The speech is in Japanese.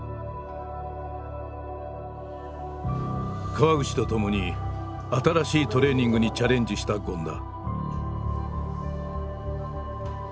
河口とともに新しいトレーニングにチャレンジした権田。